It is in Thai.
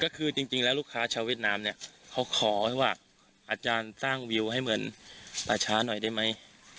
ก็คือจริงแล้วลูกค้าชาวเวียดนามเนี่ยเขาขอให้ว่าอาจารย์สร้างวิวให้เหมือนป่าช้าหน่อยได้ไหม